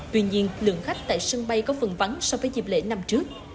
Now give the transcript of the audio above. tuy nhiên lượng khách tại sân bay có phần vắng so với dịp lễ năm trước